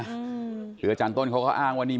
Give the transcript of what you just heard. คืออาจารย์ต้นเขาก็อ้างว่านี่